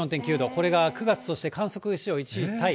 これが９月として観測史上１位タイ。